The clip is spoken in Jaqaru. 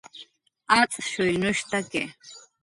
ajtz'shuynushtaki